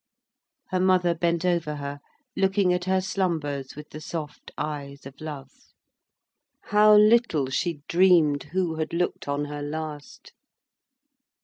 Her mother bent over her, looking at her slumbers with the soft eyes of love. How little she dreamed who had looked on her last!